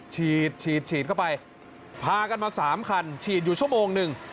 ฉีดฉีดเข้าไปพากันมา๓คันฉีดอยู่ชั่วโมงหนึ่ง